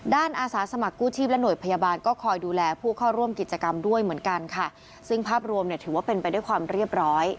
อาสาสมัครกู้ชีพและห่วยพยาบาลก็คอยดูแลผู้เข้าร่วมกิจกรรมด้วยเหมือนกันค่ะซึ่งภาพรวมเนี่ยถือว่าเป็นไปด้วยความเรียบร้อย